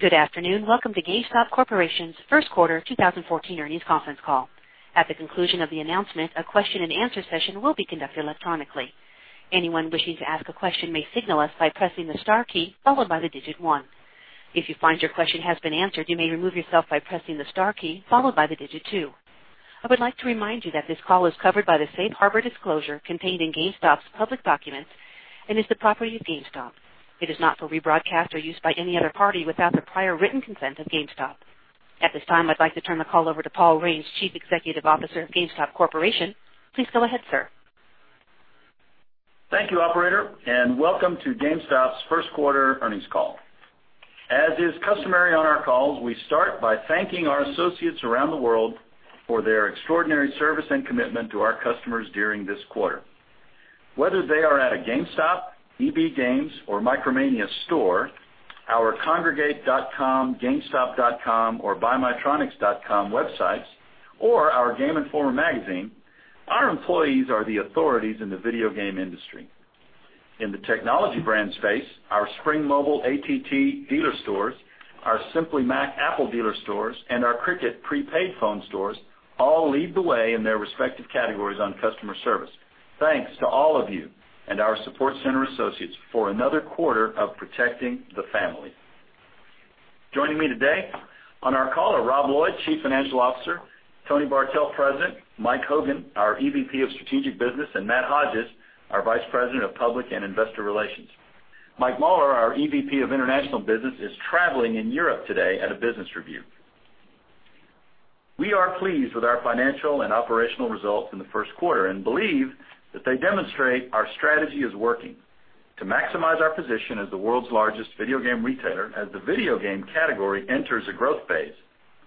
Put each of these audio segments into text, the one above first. Good afternoon. Welcome to GameStop Corporation's first quarter 2014 earnings conference call. At the conclusion of the announcement, a question and answer session will be conducted electronically. Anyone wishing to ask a question may signal us by pressing the star key followed by the digit one. If you find your question has been answered, you may remove yourself by pressing the star key followed by the digit two. I would like to remind you that this call is covered by the safe harbor disclosure contained in GameStop's public documents and is the property of GameStop. It is not for rebroadcast or use by any other party without the prior written consent of GameStop. At this time, I'd like to turn the call over to Paul Raines, Chief Executive Officer of GameStop Corporation. Please go ahead, sir. Thank you, operator, and welcome to GameStop's first quarter earnings call. As is customary on our calls, we start by thanking our associates around the world for their extraordinary service and commitment to our customers during this quarter. Whether they are at a GameStop, EB Games, or Micromania store, our Kongregate.com, gamestop.com, or BuyMyTronics.com websites, or our Game Informer magazine, our employees are the authorities in the video game industry. In the Technology Brands space, our Spring Mobile AT&T dealer stores, our Simply Mac Apple dealer stores, and our Cricket prepaid phone stores all lead the way in their respective categories on customer service. Thanks to all of you and our support center associates for another quarter of protecting the family. Joining me today on our call are Rob Lloyd, Chief Financial Officer, Tony Bartel, President, Mike Hogan, our EVP of Strategic Business, and Matt Hodges, our Vice President of Public and Investor Relations. Mike Mauler, our EVP of International Business, is traveling in Europe today at a business review. We are pleased with our financial and operational results in the first quarter and believe that they demonstrate our strategy is working to maximize our position as the world's largest video game retailer as the video game category enters a growth phase,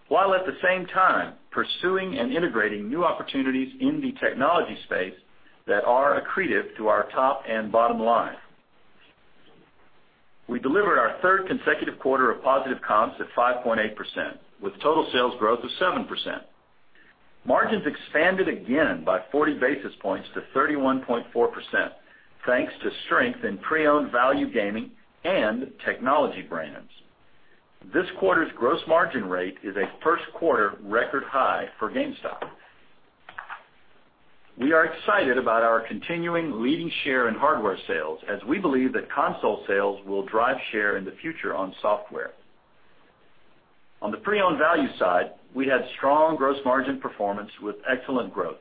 while at the same time pursuing and integrating new opportunities in the Technology Brands space that are accretive to our top and bottom line. We delivered our third consecutive quarter of positive comps at 5.8%, with total sales growth of 7%. Margins expanded again by 40 basis points to 31.4%, thanks to strength in pre-owned value gaming and Technology Brands. This quarter's gross margin rate is a first-quarter record high for GameStop. We are excited about our continuing leading share in hardware sales, as we believe that console sales will drive share in the future on software. On the pre-owned value side, we had strong gross margin performance with excellent growth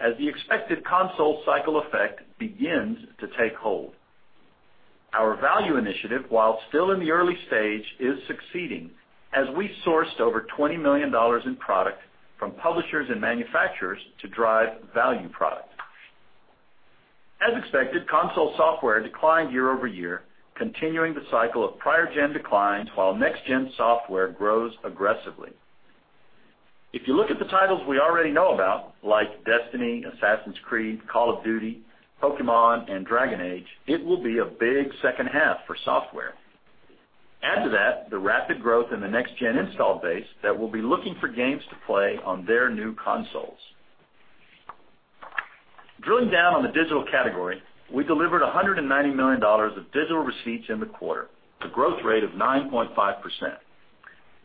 as the expected console cycle effect begins to take hold. Our value initiative, while still in the early stage, is succeeding as we sourced over $20 million in product from publishers and manufacturers to drive value product. As expected, console software declined year-over-year, continuing the cycle of prior gen declines while next gen software grows aggressively. If you look at the titles we already know about, like Destiny, Assassin's Creed, Call of Duty, Pokémon, and Dragon Age, it will be a big second half for software. Add to that the rapid growth in the next-gen install base that will be looking for games to play on their new consoles. Drilling down on the digital category, we delivered $190 million of digital receipts in the quarter, a growth rate of 9.5%.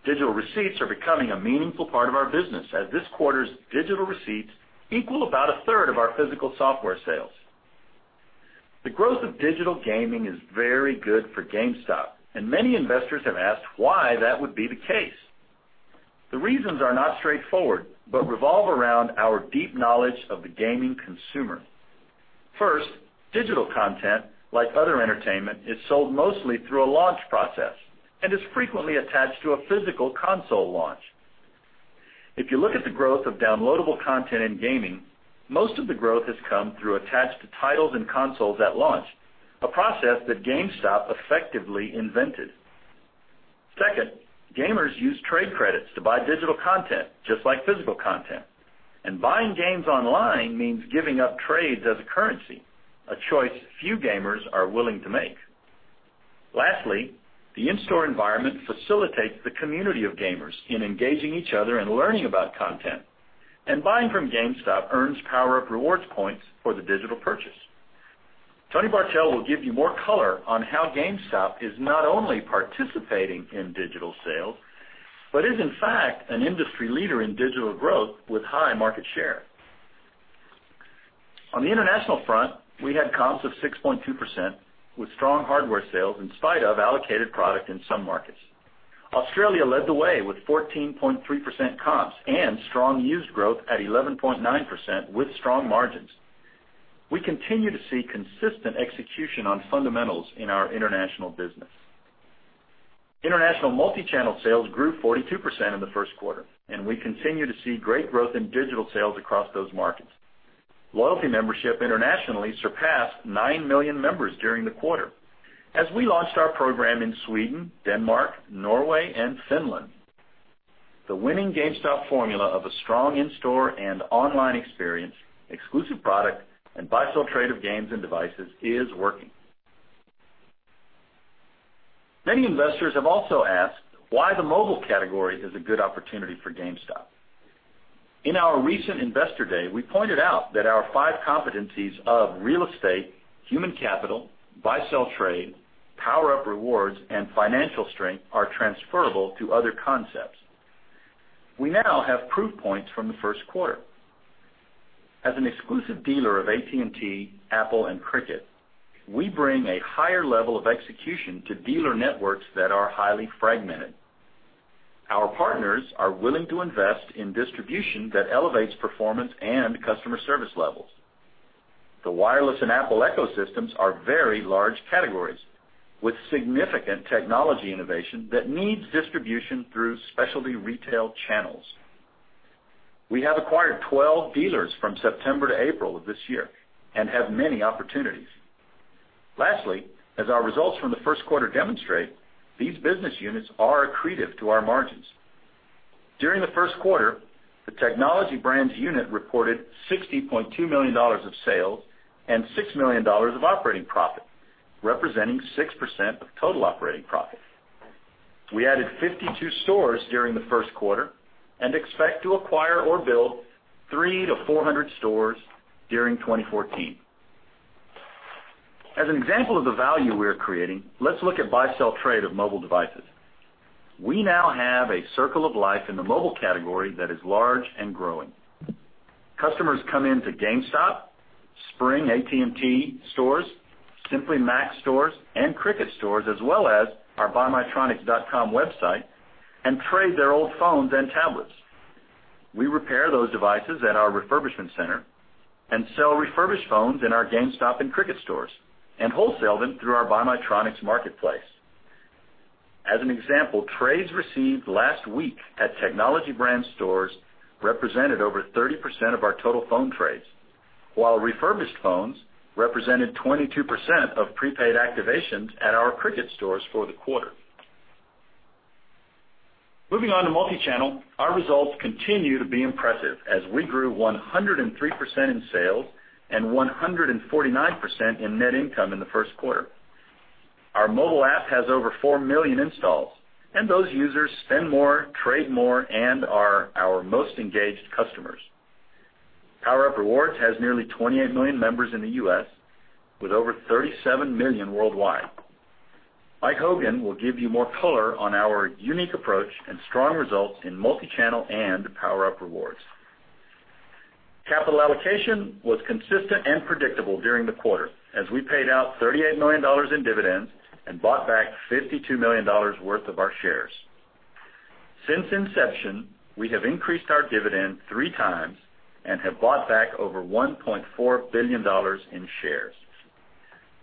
Digital receipts are becoming a meaningful part of our business, as this quarter's digital receipts equal about a third of our physical software sales. The growth of digital gaming is very good for GameStop, and many investors have asked why that would be the case. The reasons are not straightforward but revolve around our deep knowledge of the gaming consumer. First, digital content, like other entertainment, is sold mostly through a launch process and is frequently attached to a physical console launch. If you look at the growth of downloadable content in gaming, most of the growth has come through attached to titles and consoles at launch, a process that GameStop effectively invented. Second, gamers use trade credits to buy digital content, just like physical content. Buying games online means giving up trades as a currency, a choice few gamers are willing to make. Lastly, the in-store environment facilitates the community of gamers in engaging each other and learning about content. Buying from GameStop earns PowerUp Rewards points for the digital purchase. Tony Bartel will give you more color on how GameStop is not only participating in digital sales, but is, in fact, an industry leader in digital growth with high market share. On the international front, we had comps of 6.2% with strong hardware sales in spite of allocated product in some markets. Australia led the way with 14.3% comps and strong used growth at 11.9% with strong margins. We continue to see consistent execution on fundamentals in our international business. International multi-channel sales grew 42% in the first quarter, and we continue to see great growth in digital sales across those markets. Loyalty membership internationally surpassed nine million members during the quarter as we launched our program in Sweden, Denmark, Norway, and Finland. The winning GameStop formula of a strong in-store and online experience, exclusive product, and buy, sell, trade of games and devices is working. Many investors have also asked why the mobile category is a good opportunity for GameStop. In our recent Investor Day, we pointed out that our five competencies of real estate, human capital, buy-sell trade, PowerUp Rewards, and financial strength are transferable to other concepts. We now have proof points from the first quarter. As an exclusive dealer of AT&T, Apple, and Cricket, we bring a higher level of execution to dealer networks that are highly fragmented. Our partners are willing to invest in distribution that elevates performance and customer service levels. The wireless and Apple ecosystems are very large categories with significant technology innovation that needs distribution through specialty retail channels. We have acquired 12 dealers from September to April of this year and have many opportunities. Lastly, as our results from the first quarter demonstrate, these business units are accretive to our margins. During the first quarter, the Technology Brands unit reported $60.2 million of sales and $6 million of operating profit, representing 6% of total operating profit. We added 52 stores during the first quarter and expect to acquire or build 300 to 400 stores during 2014. As an example of the value we're creating, let's look at buy-sell trade of mobile devices. We now have a circle of life in the mobile category that is large and growing. Customers come in to GameStop, Spring AT&T stores, Simply Mac stores, and Cricket stores, as well as our buymytronics.com website and trade their old phones and tablets. We repair those devices at our refurbishment center and sell refurbished phones in our GameStop and Cricket stores and wholesale them through our BuyMyTronics marketplace. As an example, trades received last week at Technology Brands stores represented over 30% of our total phone trades, while refurbished phones represented 22% of prepaid activations at our Cricket stores for the quarter. Moving on to multi-channel, our results continue to be impressive as we grew 103% in sales and 149% in net income in the first quarter. Our mobile app has over 4 million installs. Those users spend more, trade more, and are our most engaged customers. PowerUp Rewards has nearly 28 million members in the U.S., with over 37 million worldwide. Mike Hogan will give you more color on our unique approach and strong results in multi-channel and PowerUp Rewards. Capital allocation was consistent and predictable during the quarter as we paid out $38 million in dividends and bought back $52 million worth of our shares. Since inception, we have increased our dividend three times and have bought back over $1.4 billion in shares.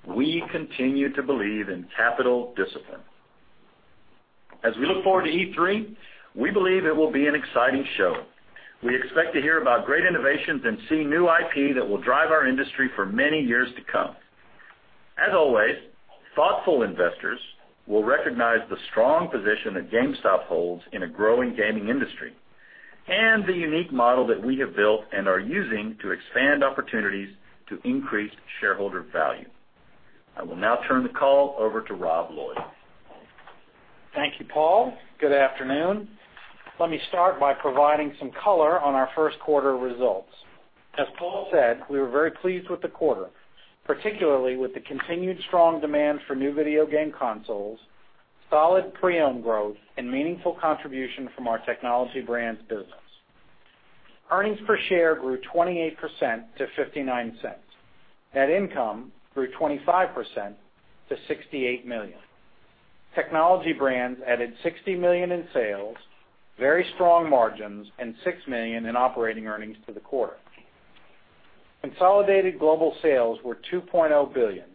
We continue to believe in capital discipline. As we look forward to E3, we believe it will be an exciting show. We expect to hear about great innovations and see new IP that will drive our industry for many years to come. As always, thoughtful investors will recognize the strong position that GameStop holds in a growing gaming industry and the unique model that we have built and are using to expand opportunities to increase shareholder value. I will now turn the call over to Rob Lloyd. Thank you, Paul. Good afternoon. Let me start by providing some color on our first quarter results. As Paul said, we were very pleased with the quarter, particularly with the continued strong demand for new video game consoles, solid pre-owned growth, and meaningful contribution from our Technology Brands business. Earnings per share grew 28% to $0.59. Net income grew 25% to $68 million. Technology Brands added $60 million in sales, very strong margins, and $6 million in operating earnings for the quarter. Consolidated global sales were $2.0 billion,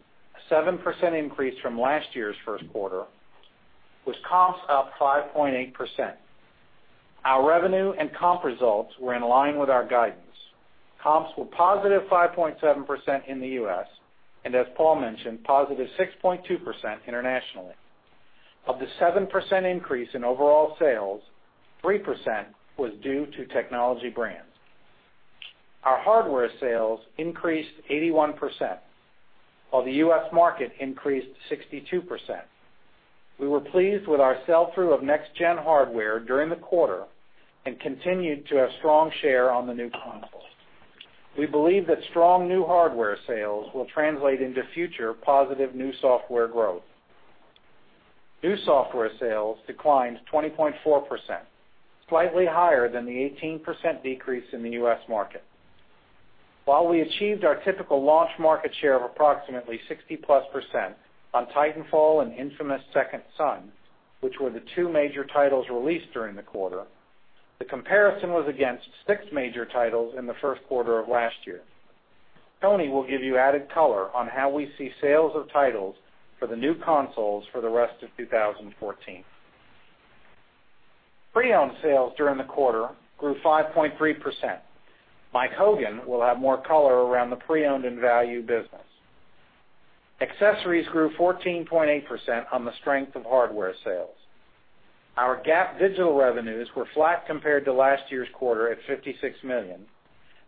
a 7% increase from last year's first quarter, with comps up 5.8%. Our revenue and comp results were in line with our guidance. Comps were positive 5.7% in the U.S. and, as Paul mentioned, positive 6.2% internationally. Of the 7% increase in overall sales, 3% was due to Technology Brands. Our hardware sales increased 81%, while the U.S. market increased 62%. We were pleased with our sell-through of next-gen hardware during the quarter and continued to have strong share on the new consoles. We believe that strong new hardware sales will translate into future positive new software growth. New software sales declined 20.4%, slightly higher than the 18% decrease in the U.S. market. While we achieved our typical launch market share of approximately 60%+ on Titanfall and Infamous Second Son, which were the two major titles released during the quarter, the comparison was against six major titles in the first quarter of last year. Tony will give you added color on how we see sales of titles for the new consoles for the rest of 2014. Pre-owned sales during the quarter grew 5.3%. Mike Hogan will have more color around the pre-owned and value business. Accessories grew 14.8% on the strength of hardware sales. Our GAAP digital revenues were flat compared to last year's quarter at $56 million.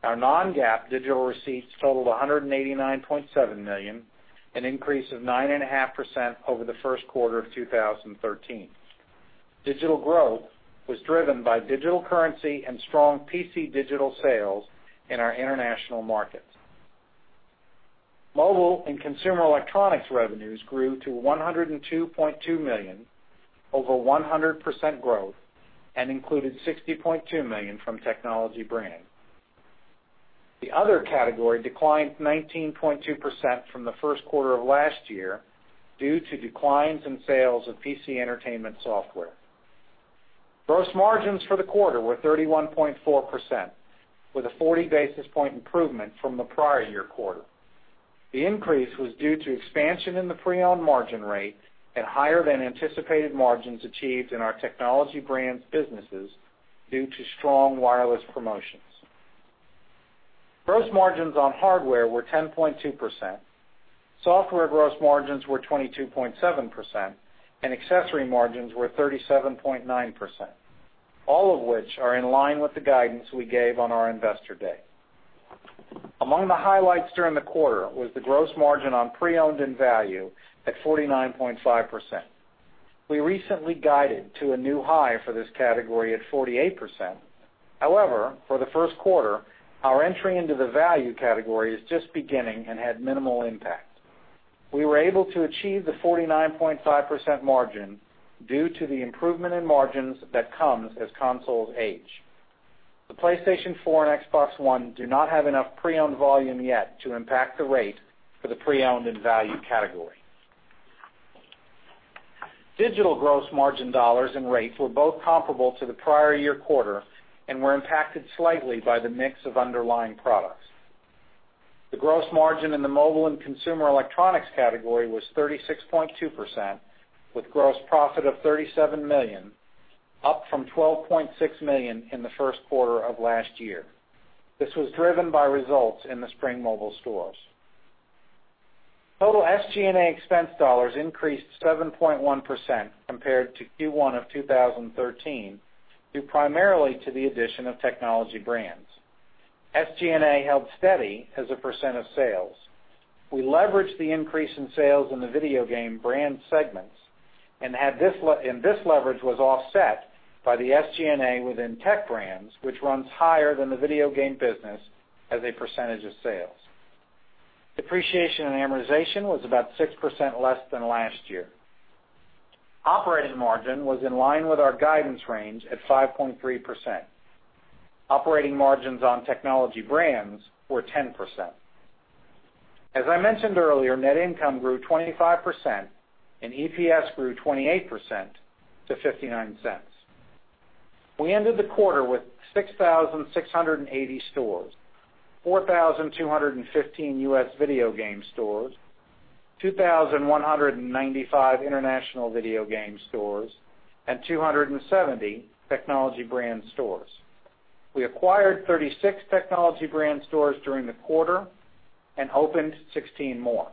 Our non-GAAP digital receipts totaled $189.7 million, an increase of 9.5% over the first quarter of 2013. Digital growth was driven by digital currency and strong PC digital sales in our international markets. Mobile and consumer electronics revenues grew to $102.2 million over 100% growth and included $60.2 million from Technology Brands. The other category declined 19.2% from the first quarter of last year due to declines in sales of PC entertainment software. Gross margins for the quarter were 31.4%, with a 40-basis-point improvement from the prior year quarter. The increase was due to expansion in the pre-owned margin rate and higher than anticipated margins achieved in our Technology Brands businesses due to strong wireless promotions. Gross margins on hardware were 10.2%. Software gross margins were 22.7%, and accessory margins were 37.9%, all of which are in line with the guidance we gave on our Investor Day. Among the highlights during the quarter was the gross margin on pre-owned and value at 49.5%. We recently guided to a new high for this category at 48%. However, for the first quarter, our entry into the value category is just beginning and had minimal impact. We were able to achieve the 49.5% margin due to the improvement in margins that comes as consoles age. The PlayStation 4 and Xbox One do not have enough pre-owned volume yet to impact the rate for the pre-owned and value category. Digital gross margin dollars and rates were both comparable to the prior year quarter and were impacted slightly by the mix of underlying products. The gross margin in the mobile and consumer electronics category was 36.2%, with gross profit of $37 million, up from $12.6 million in the first quarter of last year. This was driven by results in the Spring Mobile stores. Total SG&A expense dollars increased 7.1% compared to Q1 of 2013, due primarily to the addition of Technology Brands. SG&A held steady as a percent of sales. We leveraged the increase in sales in the video game brand segments, and this leverage was offset by the SG&A within Technology Brands, which runs higher than the video game business as a percentage of sales. Depreciation and amortization was about 6% less than last year. Operating margin was in line with our guidance range at 5.3%. Operating margins on Technology Brands were 10%. As I mentioned earlier, net income grew 25% and EPS grew 28% to $0.59. We ended the quarter with 6,680 stores, 4,215 U.S. video game stores, 2,195 international video game stores, and 270 Technology Brands stores. We acquired 36 Technology Brands stores during the quarter and opened 16 more.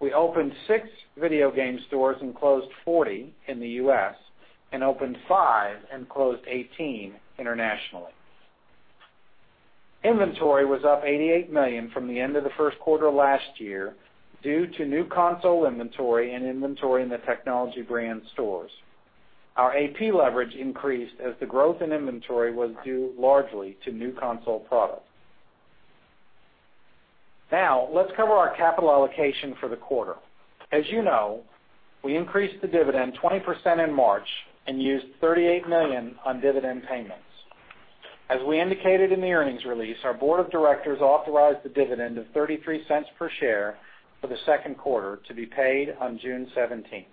We opened six video game stores and closed 40 in the U.S. and opened five and closed 18 internationally. Inventory was up $88 million from the end of the first quarter last year due to new console inventory and inventory in the Technology Brands stores. Our AP leverage increased as the growth in inventory was due largely to new console products. Let's cover our capital allocation for the quarter. As you know, we increased the dividend 20% in March and used $38 million on dividend payments. As we indicated in the earnings release, our board of directors authorized a dividend of $0.33 per share for the second quarter to be paid on June 17th.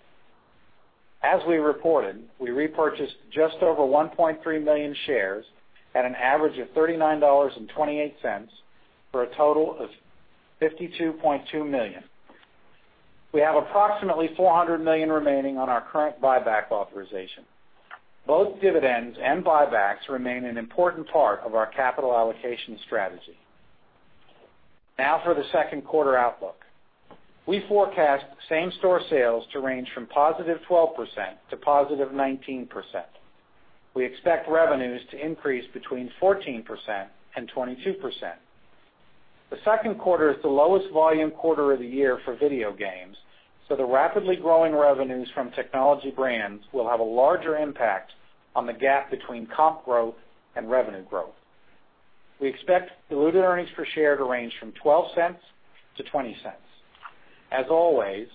As we reported, we repurchased just over 1.3 million shares at an average of $39.28 for a total of $52.2 million. We have approximately $400 million remaining on our current buyback authorization. Both dividends and buybacks remain an important part of our capital allocation strategy. For the second quarter outlook. We forecast same store sales to range from +12% to +19%. We expect revenues to increase between 14% and 22%. The second quarter is the lowest volume quarter of the year for video games, so the rapidly growing revenues from Technology Brands will have a larger impact on the gap between comp growth and revenue growth. We expect diluted earnings per share to range from $0.12 to $0.20. As always,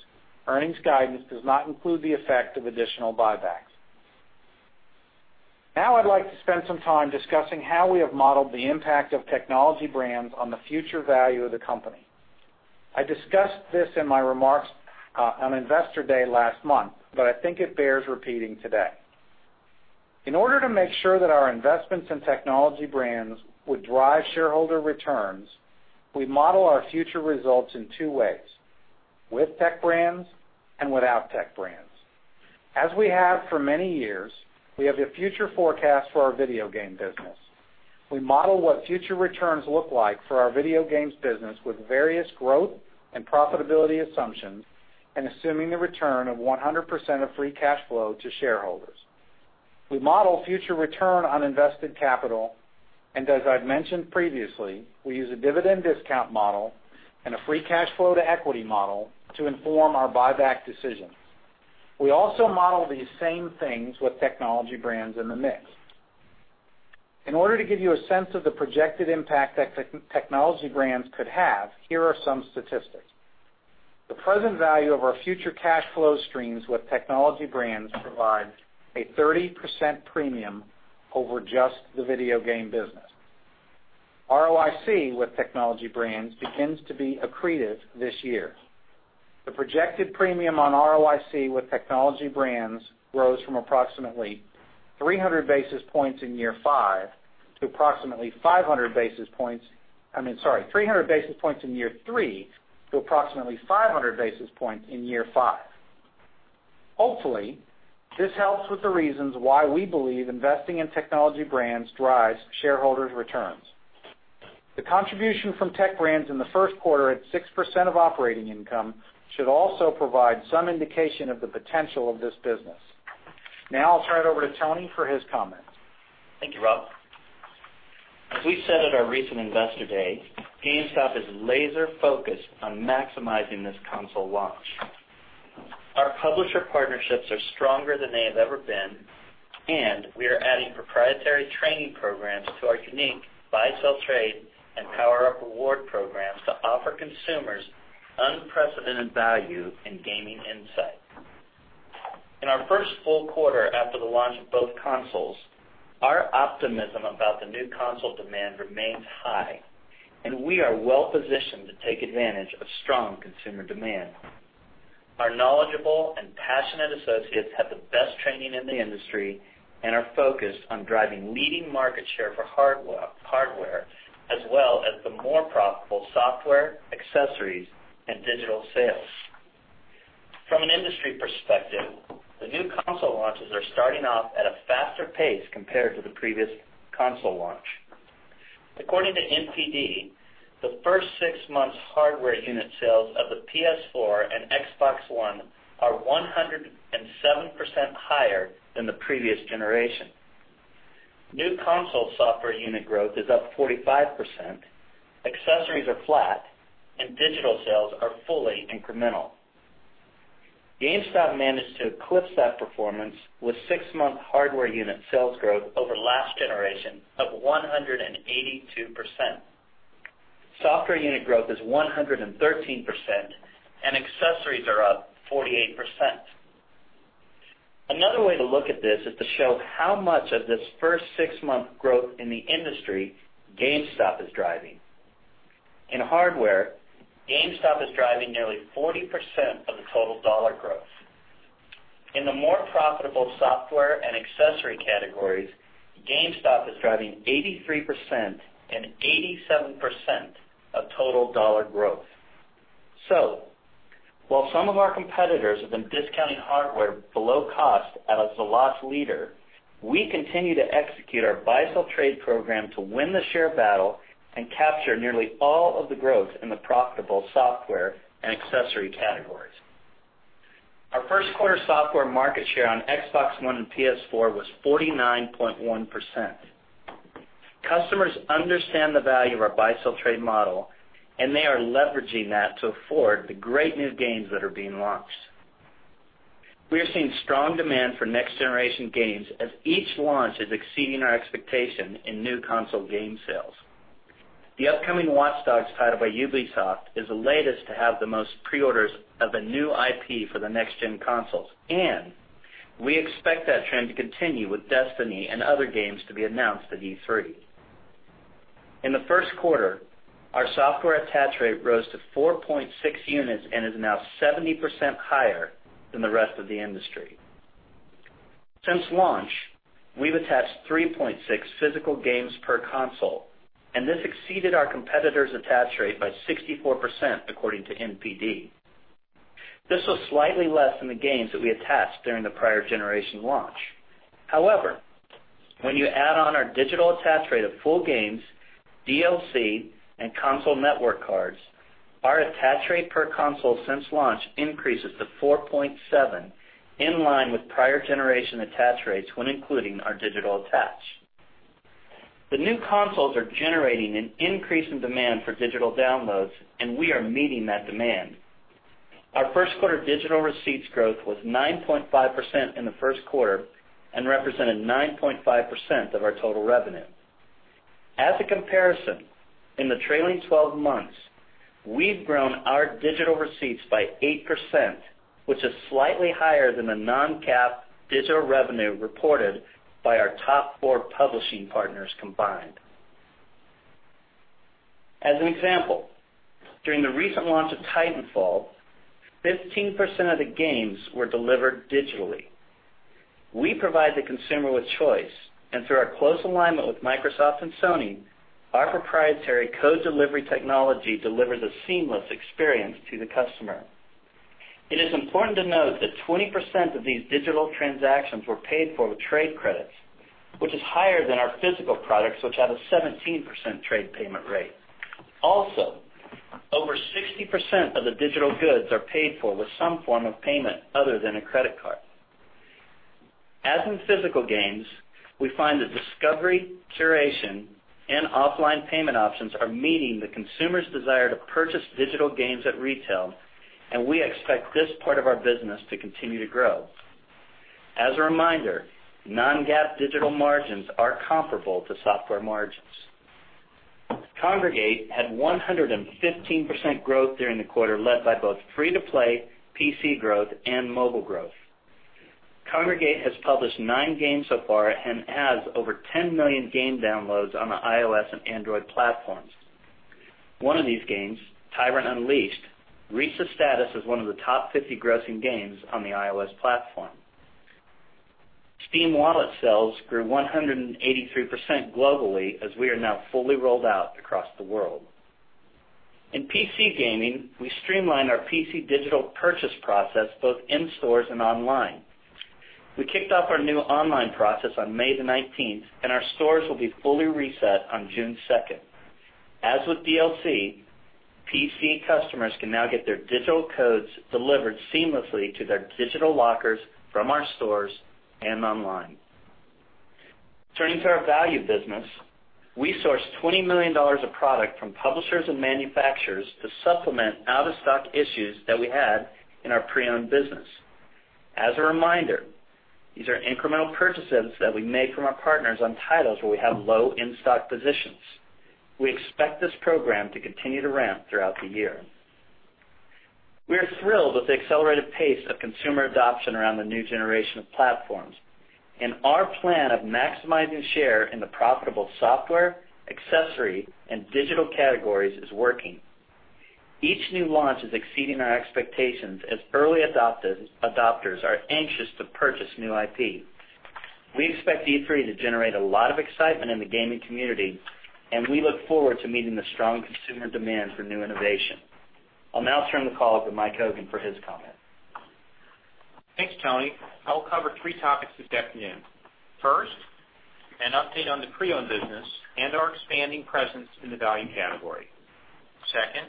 earnings guidance does not include the effect of additional buybacks. I'd like to spend some time discussing how we have modeled the impact of Technology Brands on the future value of the company. I discussed this in my remarks on Investor Day last month, but I think it bears repeating today. In order to make sure that our investments in Technology Brands would drive shareholder returns, we model our future results in two ways: with Tech Brands and without Tech Brands. As we have for many years, we have a future forecast for our video game business. We model what future returns look like for our video games business with various growth and profitability assumptions and assuming the return of 100% of free cash flow to shareholders. We model future return on invested capital, and as I've mentioned previously, we use a dividend discount model and a free cash flow to equity model to inform our buyback decisions. We also model these same things with Technology Brands in the mix. In order to give you a sense of the projected impact that Technology Brands could have, here are some statistics. The present value of our future cash flow streams with Technology Brands provide a 30% premium over just the video game business. ROIC with Technology Brands begins to be accretive this year. The projected premium on ROIC with Technology Brands grows from approximately 300 basis points in year three to approximately 500 basis points in year five. Hopefully, this helps with the reasons why we believe investing in Technology Brands drives shareholders' returns. The contribution from Technology Brands in the first quarter at 6% of operating income should also provide some indication of the potential of this business. I'll turn it over to Tony for his comments. Thank you, Rob. As we said at our recent Investor Day, GameStop is laser-focused on maximizing this console launch. Our publisher partnerships are stronger than they have ever been. We are adding proprietary training programs to our unique buy-sell trade and PowerUp Rewards programs to offer consumers unprecedented value in gaming insight. In our first full quarter after the launch of both consoles, our optimism about the new console demand remains high. We are well-positioned to take advantage of strong consumer demand. Our knowledgeable and passionate associates have the best training in the industry and are focused on driving leading market share for hardware, as well as the more profitable software, accessories, and digital sales. From an industry perspective, the new console launches are starting off at a faster pace compared to the previous console launch. According to NPD, the first six months hardware unit sales of the PS4 and Xbox One are 107% higher than the previous generation. New console software unit growth is up 45%, accessories are flat. Digital sales are fully incremental. GameStop managed to eclipse that performance with six-month hardware unit sales growth over last generation of 182%. Software unit growth is 113%. Accessories are up 48%. Another way to look at this is to show how much of this first six-month growth in the industry GameStop is driving. In hardware, GameStop is driving nearly 40% of the total dollar growth. In the more profitable software and accessory categories, GameStop is driving 83% and 87% of total dollar growth. While some of our competitors have been discounting hardware below cost as the loss leader, we continue to execute our buy-sell trade program to win the share battle and capture nearly all of the growth in the profitable software and accessory categories. Our first quarter software market share on Xbox One and PS4 was 49.1%. Customers understand the value of our buy-sell trade model. They are leveraging that to afford the great new games that are being launched. We are seeing strong demand for next-generation games as each launch is exceeding our expectation in new console game sales. The upcoming Watch Dogs title by Ubisoft is the latest to have the most pre-orders of a new IP for the next-gen consoles. We expect that trend to continue with Destiny and other games to be announced at E3. In the first quarter, our software attach rate rose to 4.6 units and is now 70% higher than the rest of the industry. Since launch, we've attached 3.6 physical games per console. This exceeded our competitors' attach rate by 64%, according to NPD. This was slightly less than the games that we attached during the prior generation launch. However, when you add on our digital attach rate of full games, DLC, and console network cards, our attach rate per console since launch increases to 4.7, in line with prior generation attach rates when including our digital attach. The new consoles are generating an increase in demand for digital downloads. We are meeting that demand. Our first quarter digital receipts growth was 9.5% in the first quarter and represented 9.5% of our total revenue. As a comparison, in the trailing 12 months, we've grown our digital receipts by 8%, which is slightly higher than the non-GAAP digital revenue reported by our top four publishing partners combined. As an example, during the recent launch of Titanfall, 15% of the games were delivered digitally. We provide the consumer with choice. Through our close alignment with Microsoft and Sony, our proprietary co-delivery technology delivers a seamless experience to the customer. It is important to note that 20% of these digital transactions were paid for with trade credits, which is higher than our physical products, which have a 17% trade payment rate. Also, over 60% of the digital goods are paid for with some form of payment other than a credit card. As in physical games, we find that discovery, curation, and offline payment options are meeting the consumer's desire to purchase digital games at retail. We expect this part of our business to continue to grow. As a reminder, non-GAAP digital margins are comparable to software margins. Kongregate had 115% growth during the quarter, led by both free to play PC growth and mobile growth. Kongregate has published nine games so far and has over 10 million game downloads on the iOS and Android platforms. One of these games, Tyrant Unleashed, reached the status as one of the top 50 grossing games on the iOS platform. Steam wallet sales grew 183% globally as we are now fully rolled out across the world. In PC gaming, we streamlined our PC digital purchase process both in stores and online. We kicked off our new online process on May the 19th. Our stores will be fully reset on June 2nd. As with DLC, PC customers can now get their digital codes delivered seamlessly to their digital lockers from our stores and online. Turning to our value business, we sourced $20 million of product from publishers and manufacturers to supplement out of stock issues that we had in our pre-owned business. As a reminder, these are incremental purchases that we make from our partners on titles where we have low in-stock positions. We expect this program to continue to ramp throughout the year. We are thrilled with the accelerated pace of consumer adoption around the new generation of platforms. Our plan of maximizing share in the profitable software, accessory, and digital categories is working. Each new launch is exceeding our expectations as early adopters are anxious to purchase new IP. We expect E3 to generate a lot of excitement in the gaming community, and we look forward to meeting the strong consumer demand for new innovation. I will now turn the call over to Mike Hogan for his comment. Thanks, Tony. I will cover three topics this afternoon. First, an update on the pre-owned business and our expanding presence in the value category. Second,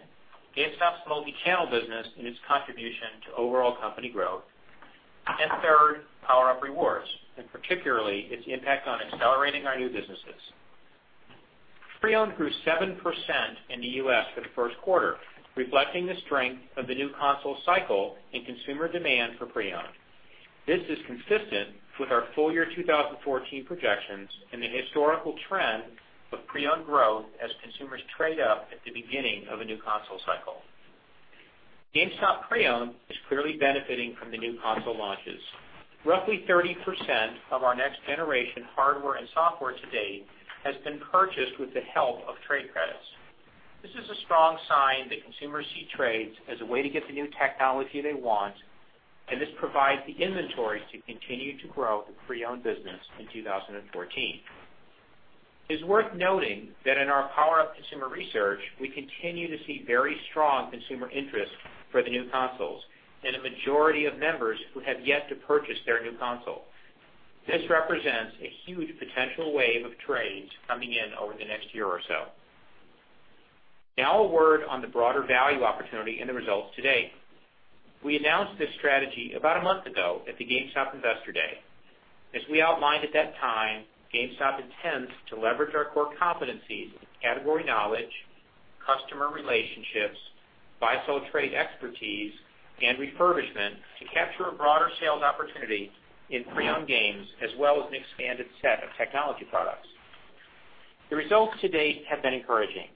GameStop's multi-channel business and its contribution to overall company growth, and third, PowerUp Rewards, and particularly its impact on accelerating our new businesses. Pre-owned grew 7% in the U.S. for the first quarter, reflecting the strength of the new console cycle and consumer demand for pre-owned. This is consistent with our full year 2014 projections and the historical trend of pre-owned growth as consumers trade up at the beginning of a new console cycle. GameStop pre-owned is clearly benefiting from the new console launches. Roughly 30% of our next generation hardware and software to date has been purchased with the help of trade credits. This is a strong sign that consumers see trades as a way to get the new technology they want, and this provides the inventory to continue to grow the pre-owned business in 2014. It is worth noting that in our PowerUp consumer research, we continue to see very strong consumer interest for the new consoles and a majority of members who have yet to purchase their new console. This represents a huge potential wave of trades coming in over the next year or so. A word on the broader value opportunity and the results to date. We announced this strategy about a month ago at the GameStop Investor Day. We outlined at that time, GameStop intends to leverage our core competencies, category knowledge, customer relationships, buy/sell trade expertise, and refurbishment to capture a broader sales opportunity in pre-owned games as well as an expanded set of technology products. The results to date have been encouraging.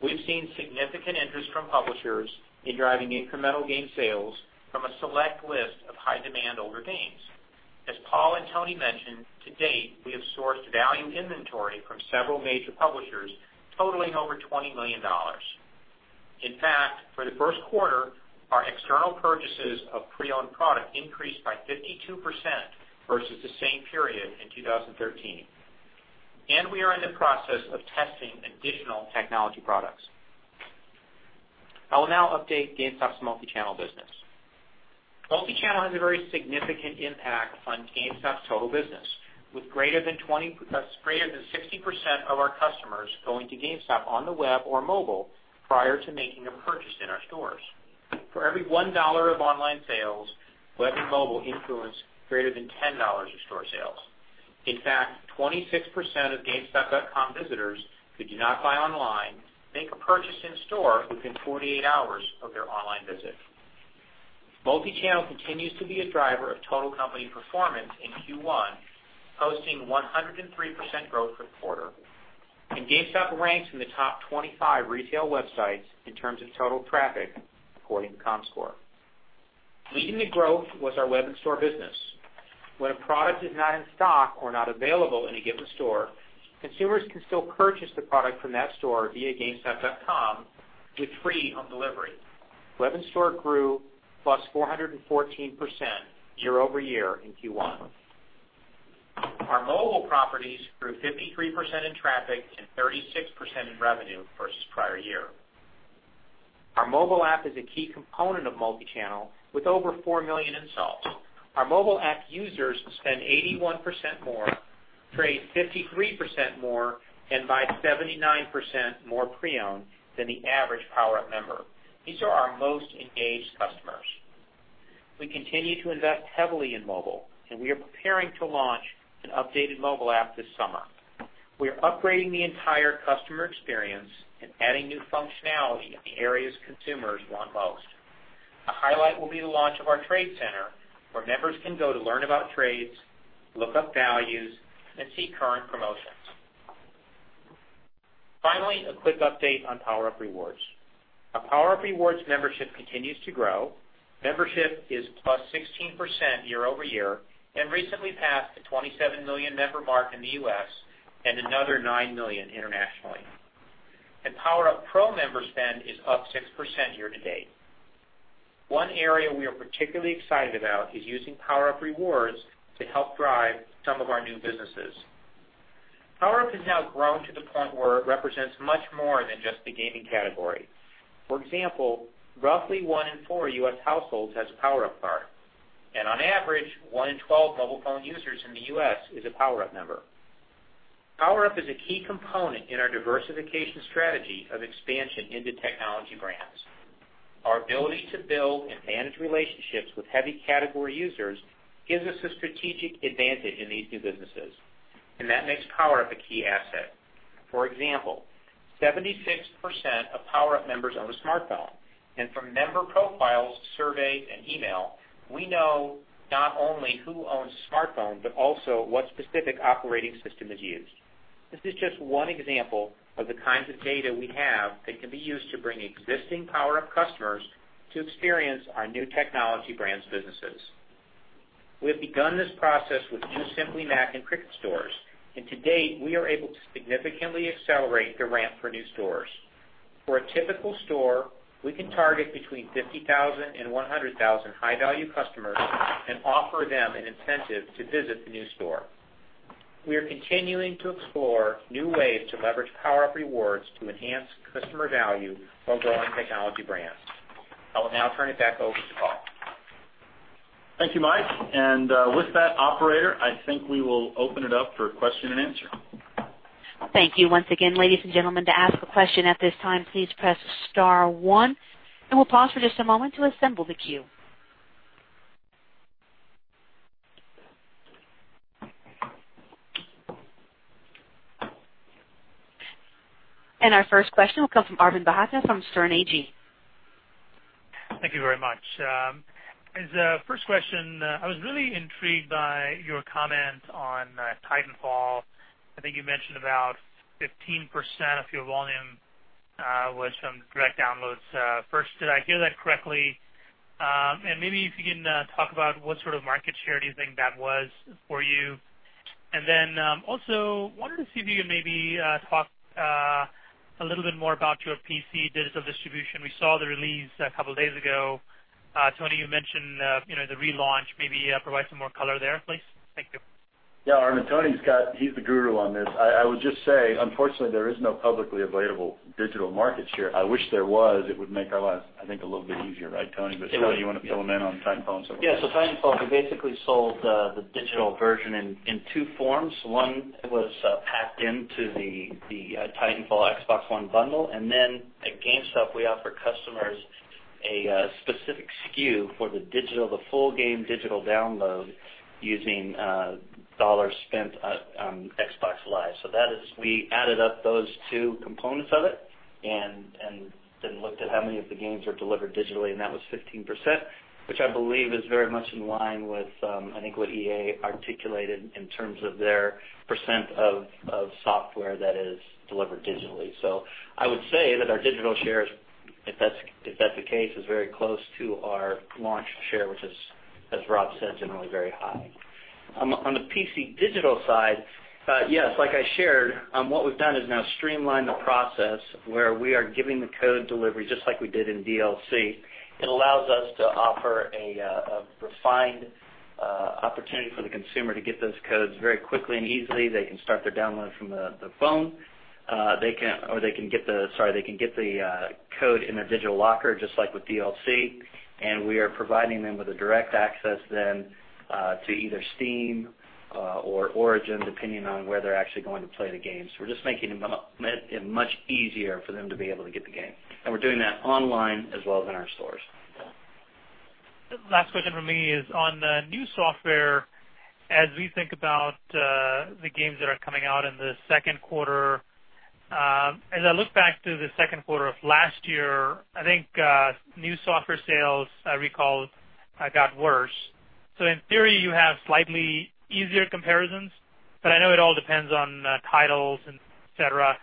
We have seen significant interest from publishers in driving incremental game sales from a select list of high demand older games. As Paul and Tony mentioned, to date, we have sourced value inventory from several major publishers totaling over $20 million. In fact, for the first quarter, our external purchases of pre-owned product increased by 52% versus the same period in 2013. We are in the process of testing additional technology products. I will now update GameStop's multi-channel business. Multi-channel has a very significant impact on GameStop's total business, with greater than 60% of our customers going to GameStop on the web or mobile prior to making a purchase in our stores. For every $1 of online sales, web and mobile influence greater than $10 of store sales. In fact, 26% of gamestop.com visitors who do not buy online make a purchase in store within 48 hours of their online visit. Multi-channel continues to be a driver of total company performance in Q1, posting 103% growth per quarter. GameStop ranks in the top 25 retail websites in terms of total traffic, according to comScore. Leading the growth was our web and store business. When a product is not in stock or not available in a given store, consumers can still purchase the product from that store via gamestop.com with free home delivery. Web and store grew plus 414% year-over-year in Q1. Our mobile properties grew 53% in traffic and 36% in revenue versus prior year. Our mobile app is a key component of multi-channel, with over 4 million installs. Our mobile app users spend 81% more, trade 53% more, and buy 79% more pre-owned than the average PowerUp member. These are our most engaged customers. We continue to invest heavily in mobile. We are preparing to launch an updated mobile app this summer. We are upgrading the entire customer experience and adding new functionality in the areas consumers want most. A highlight will be the launch of our trade center, where members can go to learn about trades, look up values, and see current promotions. Finally, a quick update on PowerUp Rewards. Our PowerUp Rewards membership continues to grow. Membership is plus 16% year-over-year, and recently passed the 27 million member mark in the U.S., and another 9 million internationally. PowerUp Pro member spend is up 6% year-to-date. One area we are particularly excited about is using PowerUp Rewards to help drive some of our new businesses. PowerUp has now grown to the point where it represents much more than just the gaming category. For example, roughly one in four U.S. households has a PowerUp card, and on average, one in 12 mobile phone users in the U.S. is a PowerUp member. PowerUp is a key component in our diversification strategy of expansion into Technology Brands. Our ability to build and manage relationships with heavy category users gives us a strategic advantage in these new businesses, and that makes PowerUp a key asset. For example, 76% of PowerUp members own a smartphone. From member profiles, surveys, and email, we know not only who owns a smartphone, but also what specific operating system is used. This is just one example of the kinds of data we have that can be used to bring existing PowerUp customers to experience our new Technology Brands businesses. We have begun this process with two Simply Mac and Cricket stores. To date, we are able to significantly accelerate the ramp for new stores. For a typical store, we can target between 50,000 and 100,000 high-value customers and offer them an incentive to visit the new store. We are continuing to explore new ways to leverage PowerUp Rewards to enhance customer value while growing Technology Brands. I will now turn it back over to Paul. Thank you, Mike. With that, operator, I think we will open it up for question and answer. Thank you once again, ladies and gentlemen. To ask a question at this time, please press star one, and we'll pause for just a moment to assemble the queue. Our first question will come from Arvind Bhatia from Sterne Agee. Thank you very much. As a first question, I was really intrigued by your comment on Titanfall. I think you mentioned about 15% of your volume was from direct downloads. First, did I hear that correctly? Maybe if you can talk about what sort of market share do you think that was for you? Then also, wanted to see if you could maybe talk a little bit more about your PC digital distribution. We saw the release a couple of days ago. Tony, you mentioned the relaunch. Maybe provide some more color there, please. Thank you. Yeah, Arvind, He's the guru on this. I would just say, unfortunately, there is no publicly available digital market share. I wish there was. It would make our lives, I think, a little bit easier, right, Tony? Tony, you want to fill him in on Titanfall and so forth? Yeah. Titanfall, we basically sold the digital version in two forms. One was packed into the Titanfall Xbox One bundle, and then at GameStop, we offer customers a specific SKU for the full game digital download using dollars spent on Xbox Live. That is, we added up those two components of it and then looked at how many of the games were delivered digitally, and that was 15%, which I believe is very much in line with, I think, what EA articulated in terms of their % of software that is delivered digitally. I would say that our digital shares, if that's the case, is very close to our launch share, which is, as Rob said, generally very high. On the PC digital side, yes, like I shared, what we've done is now streamlined the process where we are giving the code delivery just like we did in DLC. It allows us to offer a refined opportunity for the consumer to get those codes very quickly and easily. They can start their download from the phone. They can get the code in their digital locker, just like with DLC, and we are providing them with a direct access then to either Steam or Origin, depending on where they're actually going to play the game. We're just making it much easier for them to be able to get the game. We're doing that online as well as in our stores. Last question from me is on new software. As we think about the games that are coming out in the second quarter, as I look back to the second quarter of last year, I think new software sales, I recall, got worse. In theory, you have slightly easier comparisons, but I know it all depends on titles and et cetera.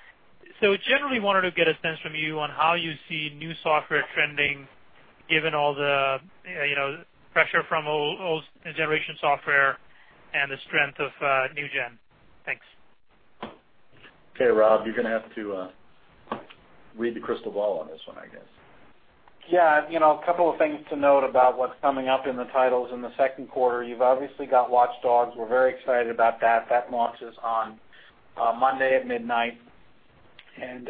Generally wanted to get a sense from you on how you see new software trending given all the pressure from old-generation software and the strength of new-gen. Thanks. Okay, Rob, you're going to have to read the crystal ball on this one, I guess. Yeah. A couple of things to note about what's coming up in the titles in the second quarter. You've obviously got Watch Dogs. We're very excited about that. That launches on Monday at midnight.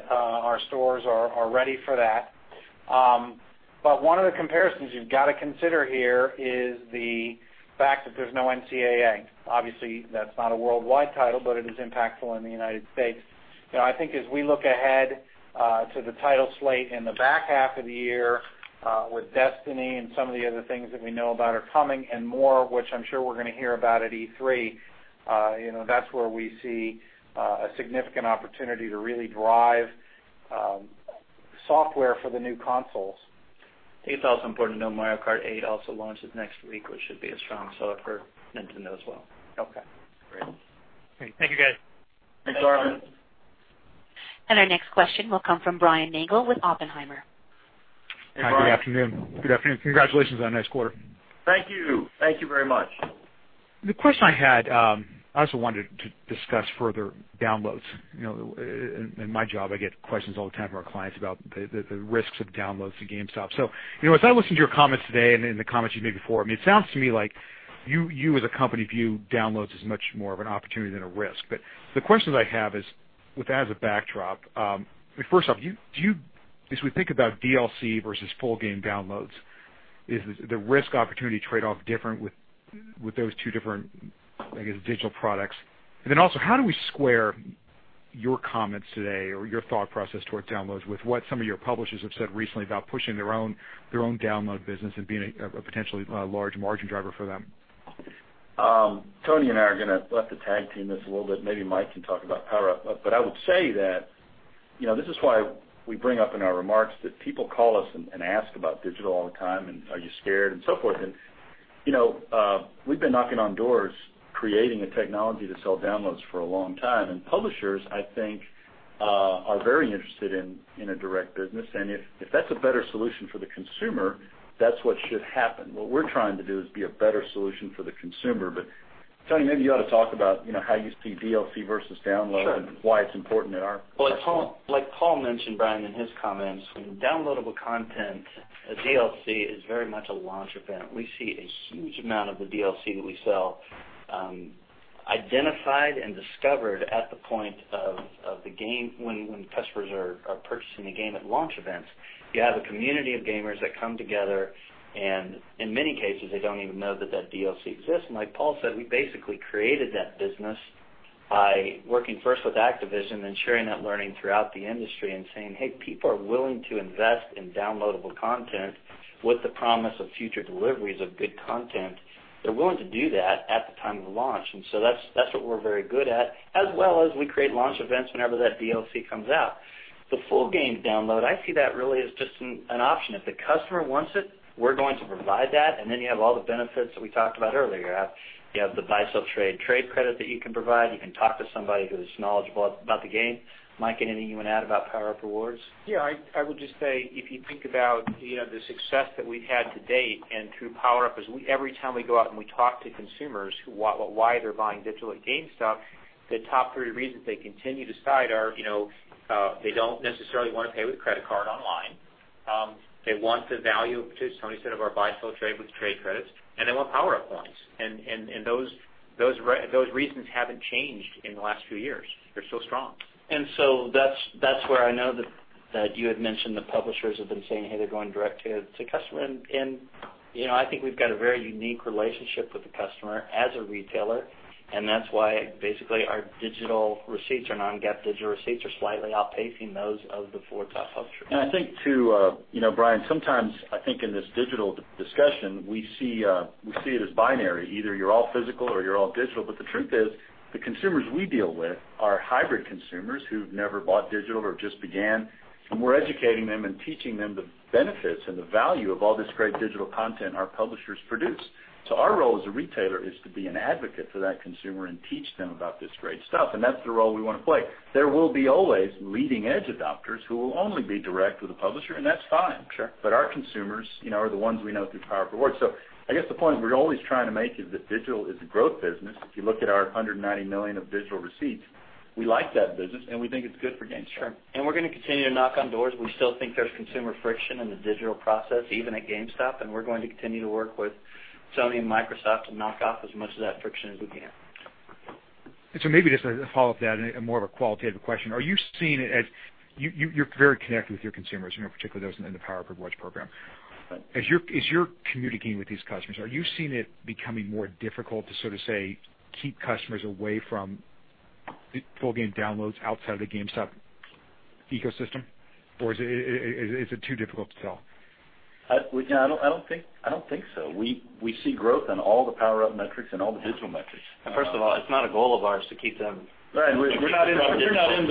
Our stores are ready for that. One of the comparisons you've got to consider here is the fact that there's no NCAA. Obviously, that's not a worldwide title, but it is impactful in the United States. I think as we look ahead to the title slate in the back half of the year with Destiny and some of the other things that we know about are coming and more, which I'm sure we're going to hear about at E3, that's where we see a significant opportunity to really drive software for the new consoles. I think it's also important to know Mario Kart 8 also launches next week, which should be a strong seller for Nintendo as well. Okay, great. Thank you, guys. Thanks, Arvind. Our next question will come from Brian Nagel with Oppenheimer. Hey, Brian. Good afternoon. Congratulations on a nice quarter. Thank you. Thank you very much. The question I had. I also wanted to discuss further downloads. In my job, I get questions all the time from our clients about the risks of downloads to GameStop. As I listen to your comments today and the comments you've made before, it sounds to me like you as a company view downloads as much more of an opportunity than a risk. The question I have is, with that as a backdrop, first off, as we think about DLC versus full game downloads, is the risk-opportunity trade-off different with those two different digital products? Then also, how do we square your comments today or your thought process towards downloads with what some of your publishers have said recently about pushing their own download business and being a potentially large margin driver for them? Tony and I are going to let the tag team this a little bit. Maybe Mike can talk about PowerUp. I would say that this is why we bring up in our remarks that people call us and ask about digital all the time, and are you scared and so forth. We've been knocking on doors creating the technology to sell downloads for a long time. Publishers, I think, are very interested in a direct business. If that's a better solution for the consumer, that's what should happen. What we're trying to do is be a better solution for the consumer. Tony, maybe you ought to talk about how you see DLC versus download. Sure Why it's important in our platform. Like Paul mentioned, Brian, in his comments, downloadable content, a DLC, is very much a launch event. We see a huge amount of the DLC that we sell identified and discovered at the point of the game when customers are purchasing the game at launch events. You have a community of gamers that come together, and in many cases, they don't even know that that DLC exists. Like Paul said, we basically created that business by working first with Activision, then sharing that learning throughout the industry and saying, "Hey, people are willing to invest in downloadable content with the promise of future deliveries of good content." They're willing to do that at the time of the launch. That's what we're very good at, as well as we create launch events whenever that DLC comes out. The full game download, I see that really as just an option. If the customer wants it, we're going to provide that, and then you have all the benefits that we talked about earlier. You have the buy-sell trade credit that you can provide. You can talk to somebody who's knowledgeable about the game. Mike, anything you want to add about PowerUp Rewards? Yeah, I would just say, if you think about the success that we've had to date and through PowerUp, every time we go out and we talk to consumers why they're buying digital at GameStop, the top three reasons they continue to cite are, they don't necessarily want to pay with a credit card online, they want the value, which Tony said, of our buy-sell trade with trade credits, and they want PowerUp points. Those reasons haven't changed in the last few years. They're still strong. That's where I know that you had mentioned the publishers have been saying, hey, they're going direct to customer. I think we've got a very unique relationship with the customer as a retailer, and that's why basically our non-GAAP digital receipts are slightly outpacing those of the four top publishers. I think too, Brian, sometimes I think in this digital discussion, we see it as binary. Either you're all physical or you're all digital. The truth is, the consumers we deal with are hybrid consumers who've never bought digital or just began, and we're educating them and teaching them the benefits and the value of all this great digital content our publishers produce. Our role as a retailer is to be an advocate for that consumer and teach them about this great stuff, and that's the role we want to play. There will be always leading edge adopters who will only be direct with a publisher, and that's fine. Sure. Our consumers are the ones we know through PowerUp Rewards. I guess the point we're always trying to make is that digital is a growth business. If you look at our $190 million of digital receipts, we like that business, and we think it's good for GameStop. Sure. We're going to continue to knock on doors. We still think there's consumer friction in the digital process, even at GameStop, and we're going to continue to work with Sony and Microsoft to knock off as much of that friction as we can. maybe just to follow up that in more of a qualitative question. You're very connected with your consumers, particularly those in the PowerUp Rewards program. As you're communicating with these customers, are you seeing it becoming more difficult to sort of, say, keep customers away from full game downloads outside of the GameStop ecosystem? Or is it too difficult to tell? I don't think so. We see growth in all the PowerUp metrics and all the digital metrics. First of all, it's not a goal of ours to keep them Right. We're not in